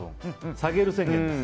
下げる宣言です。